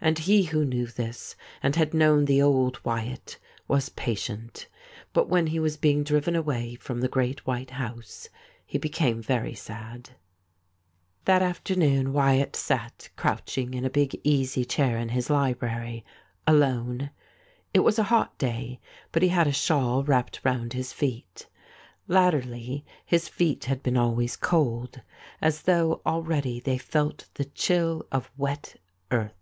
And he who knew this, and had known the old Wyatt, was patient ; but when he was being driven away from the great white house he be came very sad. That afternoon Wyatt sat crouch ing in a big easy chair in his library, alone. It was a hot day, but he had a shawl wrapped round his feet : latterly his feet had been always cold, as though already they felt the chill of wet earth.